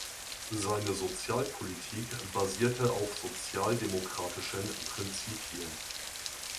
Seine Sozialpolitik basierte auf sozialdemokratischen Prinzipien.